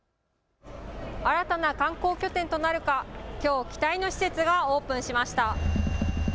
新たな観光拠点となるか、きょう期待の施設がオープンしました。